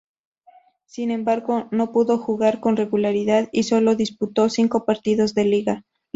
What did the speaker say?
Sin embargo, no pudo jugar con regularidad y sólo disputó cinco partidos de liga.